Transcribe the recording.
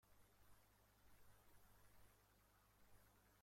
این مقاله را چه کسی نوشته است؟